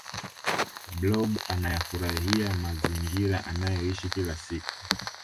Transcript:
blob anayafuraia mazingira anayoishi kila siku